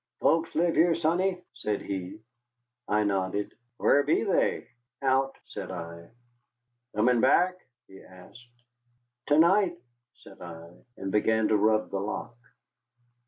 "Folks live here, sonny?" said he. I nodded. "Whar be they?" "Out," said I. "Comin' back?" he asked. "To night," said I, and began to rub the lock.